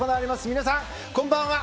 皆さん、こんばんは。